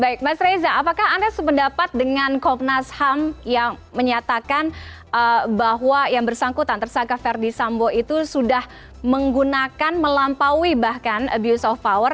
baik mas reza apakah anda sependapat dengan komnas ham yang menyatakan bahwa yang bersangkutan tersangka ferdi sambo itu sudah menggunakan melampaui bahkan abuse of power